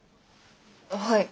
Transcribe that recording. はい。